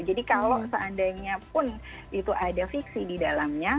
jadi kalau seandainya pun itu ada fiksi di dalamnya